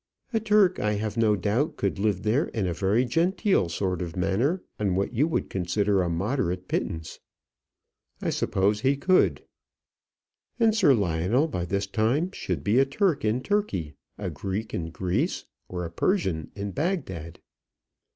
A Turk, I have no doubt, could live there in a very genteel sort of manner on what you would consider a moderate pittance." "I suppose he could." "And Sir Lionel by this time should be a Turk in Turkey, a Greek in Greece, or a Persian in Bagdad."